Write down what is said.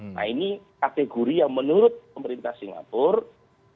nah ini kategori yang menurut pemerintah singapura